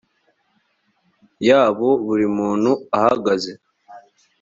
yabo buri muntu ahagaze